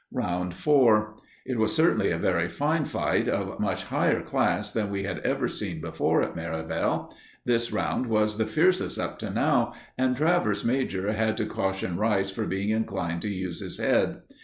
Round 4. It was certainly a very fine fight of much higher class than we had ever seen before at Merivale. This round was the fiercest up to now, and Travers major had to caution Rice for being inclined to use his head.